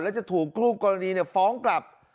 แล้วจะถูกคู่กรณีฟ้องกลับ